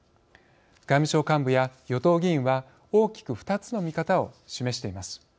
外務省幹部や与党議員は大きく２つの見方を示しています。